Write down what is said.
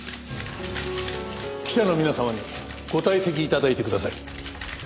記者の皆様にご退席頂いてください。